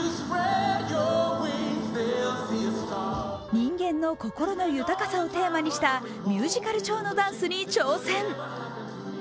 人間の心の豊かさをテーマにしたミュージカル調のダンスに挑戦。